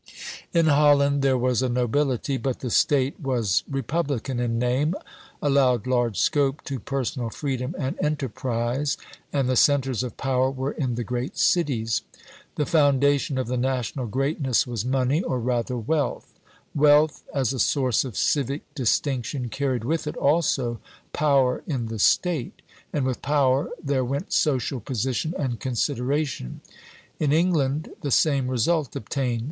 In Holland there was a nobility; but the State was republican in name, allowed large scope to personal freedom and enterprise, and the centres of power were in the great cities. The foundation of the national greatness was money or rather wealth. Wealth, as a source of civic distinction, carried with it also power in the State; and with power there went social position and consideration. In England the same result obtained.